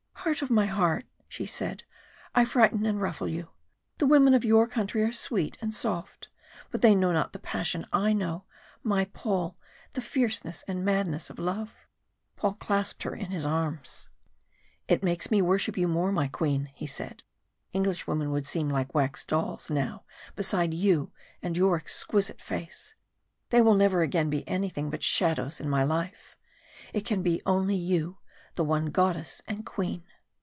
"Heart of my heart," she said, "I frighten and ruffle you. The women of your country are sweet and soft, but they know not the passion I know, my Paul the fierceness and madness of love " Paul clasped her in his arms. "It makes me worship you more, my Queen," he said. "Englishwomen would seem like wax dolls now beside you and your exquisite face they will never again be anything but shadows in my life. It can only hold you, the one goddess and Queen."